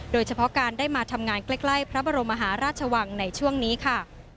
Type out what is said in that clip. โดยเฉพาะการได้มาทำงานใกล้พระบรมมหาราชวังในช่วงนี้ค่ะ